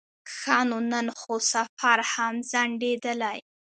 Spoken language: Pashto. ښه نو نن خو سفر هم ځنډېدلی.